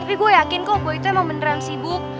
tapi gue yakin kok gue itu emang beneran sibuk